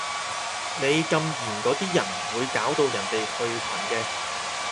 你禁言嗰啲人會搞到人哋退群嘅